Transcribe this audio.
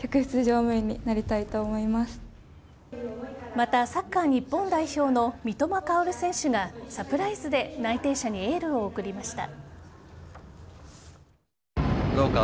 またサッカー日本代表の三笘薫選手がサプライズで内定者にエールを送りました。